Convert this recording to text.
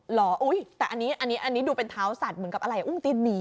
เหรออุ๊ยแต่อันนี้ดูเป็นเท้าสัตว์เหมือนกับอะไรอุ้งตีนหนี